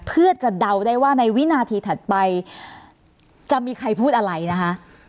เพื่อจะเดาได้ว่าในวินาทีถัดไปจะมีใครพูดอะไรนะคะ